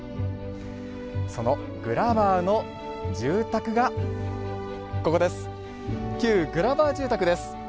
そのグラバーの住宅が旧グラバー住宅です。